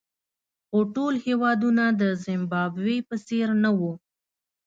خو ټول هېوادونه د زیمبابوې په څېر نه وو.